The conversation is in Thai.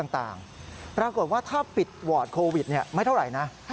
ปรากฏว่าถ้าปิดวอร์ดโควิดไม่เท่าไหร่นะ